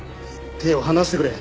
手を離してくれ。